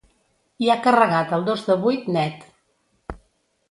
I ha carregat el dos de vuit net.